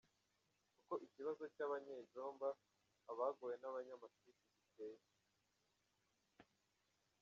“Uko ikibazo cy’abanyejomba, abagowe n’abanyamasisi giteye”